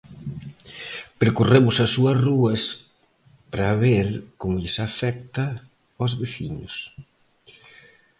Percorremos as súas rúas para ver como lles afecta aos veciños.